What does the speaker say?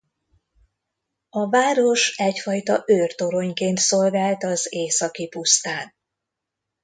A város egyfajta őrtoronyként szolgált az északi pusztán.